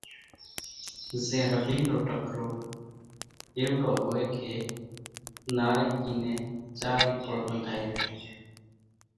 زين رڀين نو ٽڪرو ايوڙو ھوئي ڪي نارينگي نين چارين ڪور ٻنڌائي زائي۔